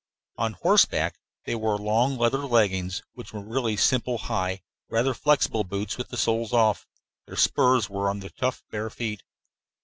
On horseback they wore long leather leggings which were really simply high, rather flexible boots with the soles off; their spurs were on their tough bare feet.